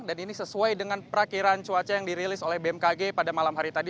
dan ini sesuai dengan perakhiran cuaca yang dirilis oleh bmkg pada malam hari tadi